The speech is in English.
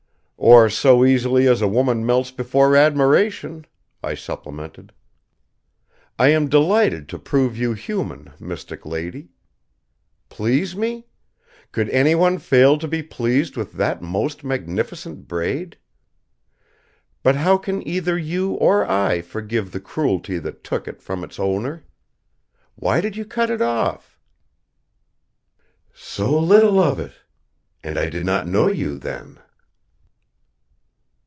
"Or so easily as a woman melts before admiration!" I supplemented. "I am delighted to prove you human, mystic lady. Please me? Could anyone fail to be pleased with that most magnificent braid? But how can either you or I forgive the cruelty that took it from its owner? Why did you cut it off?" "So little of it! And I did not know you, then."